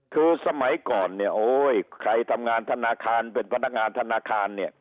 คือสมัยก่อนใครทำงานทนาคารเป็นพนักงานทนาคาร